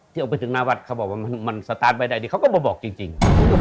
ที่ออกไปถึงนาวัดเขาบอกว่ามันมันสตาร์ทไปได้ดิเขาก็มาบอกจริงจริง